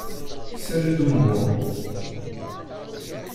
Ssali-d umuɣ.